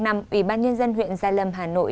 ủy ban nhân dân huyện gia lâm hà nội